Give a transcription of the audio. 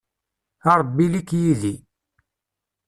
A Ṛebbi ili-k yid-i.